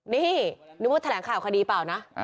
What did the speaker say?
นี่นึกว่าแถลงข่าวคดีเปล่านะ